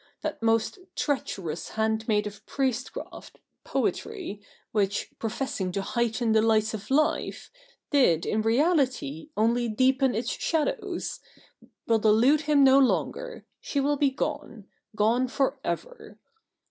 That most treacherous hand maid of priestcraft, poetry, which, professing to heighten the lights of life, did, in reality, only deepen its shadows, will delude him no longer — she will be gone — gone for ever.